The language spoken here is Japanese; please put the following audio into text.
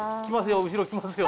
来ますよ。